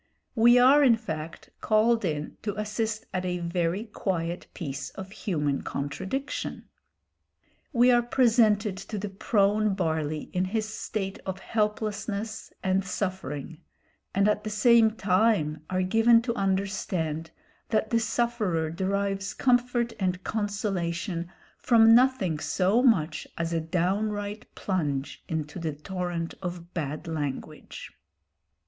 We are, in fact, called in to assist at a very quiet piece of human contradiction. We are presented to the prone Barley in his state of helplessness and suffering, and at the same time are given to understand that the sufferer derives comfort and consolation from nothing so much as a downright plunge into the torrent of bad language.